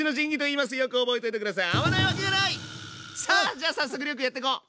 さあじゃあ早速亮くんやってこう！